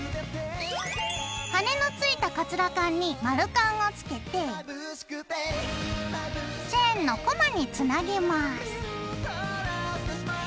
羽根のついたカツラカンに丸カンをつけてチェーンのコマにつなげます。